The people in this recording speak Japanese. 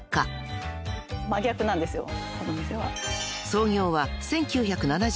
［創業は１９７３年］